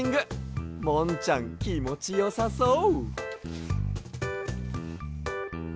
もんちゃんきもちよさそう。